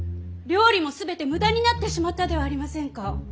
料理も全て無駄になってしまったではありませんか！